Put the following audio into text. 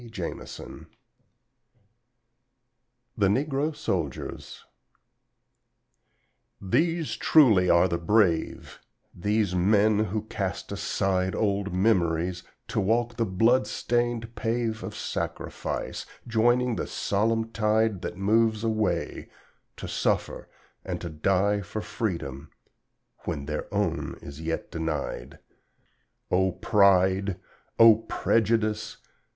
Jamison THE NEGRO SOLDIERS These truly are the Brave, These men who cast aside Old memories, to walk the blood stained pave Of Sacrifice, joining the solemn tide That moves away, to suffer and to die For Freedom when their own is yet denied! O Pride! O Prejudice!